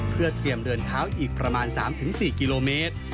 เพื่อเตรียมเดินเท้าอีกประมาณ๓๔กิโลเมตร